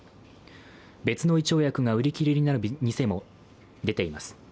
別の胃腸薬が売り切れに店も出ています。